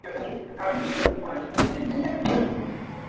tangu mwaka elfu moja mia tisa tisini hadi kifo chake